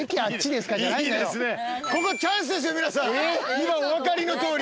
今お分かりのとおり。